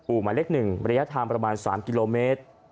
หมายเลข๑ระยะทางประมาณ๓กิโลเมตร